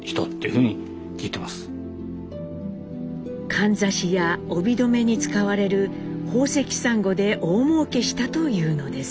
かんざしや帯留めに使われる宝石サンゴで大もうけしたというのです。